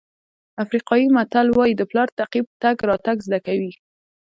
افریقایي متل وایي د پلار تعقیب تګ راتګ زده کوي.